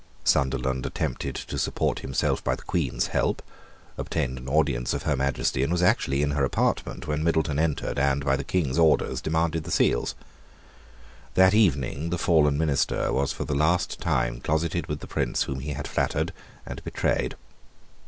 Sunderland attempted to support himself by the Queen's help, obtained an audience of Her Majesty, and was actually in her apartment when Middleton entered, and, by the King's orders, demanded the seals. That evening the fallen minister was for the last time closeted with the Prince whom he had flattered and betrayed.